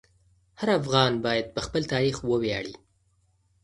هر افغان باید په خپل تاریخ وویاړي.